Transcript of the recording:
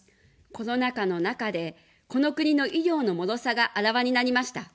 コロナ禍の中で、この国の医療のもろさがあらわになりました。